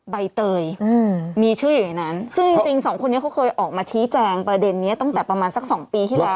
ใบเตยอืมมีชื่ออยู่ในนั้นซึ่งจริงจริงสองคนนี้เขาเคยออกมาชี้แจงประเด็นนี้ตั้งแต่ประมาณสักสองปีที่แล้ว